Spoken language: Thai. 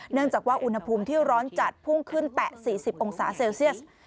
เนื่องจากว่าอุณหภูมิที่ร้อนจัดพุ่งขึ้นแตะ๔๐องศาเซลเซียส